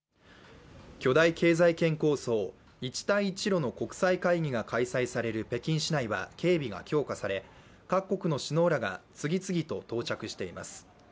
巨大経済圏構想、一帯一路の国際会議が開催される北京市内は警備が強化され各国の首脳らが続々と到着しています。